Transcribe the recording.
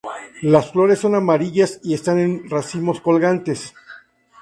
Las flores son amarillas y están en racimos colgantes.